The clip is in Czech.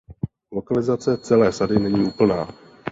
Lokalizace celé sady není úplná.